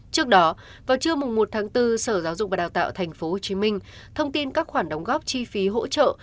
trước đó vào trưa một tháng bốn sở giáo dục và đào tạo tp hcm thông tin các khoản đóng góp chi phí hỗ trợ